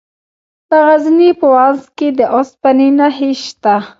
د غزني په واغظ کې د اوسپنې نښې شته.